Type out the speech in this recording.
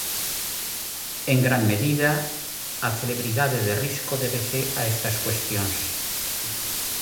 En gran medida a celebridade de Risco débese a estas cuestións.